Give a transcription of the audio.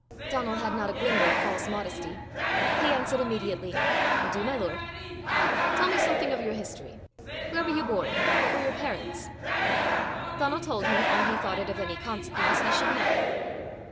Donal had not a glimmer of false modesty; he answered immediately, "I do, my lord." "Tell me something of your history: where were you born? what were your parents?" Donal told him all he thought it of any consequence he should know.